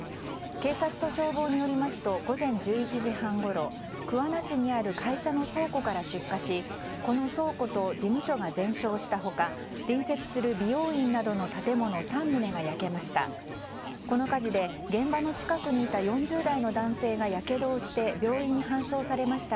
警察と消防によりますと午前１１時半ごろ桑名市にある会社の倉庫から出火しこの倉庫と事務所が全焼した他隣接する美容院などの建物３棟が焼けました。